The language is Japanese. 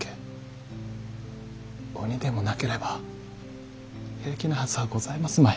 鬼でもなければ平気なはずはございますまい。